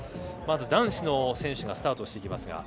まず男子の選手がスタートします。